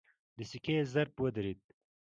د سکې ضرب ودرېد.